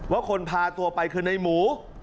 ว่าคนพาตัวไปคือในหมู